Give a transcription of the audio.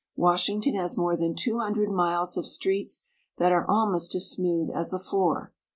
Washington has more than two hundred miles of streets that are almost as smooth as a floor.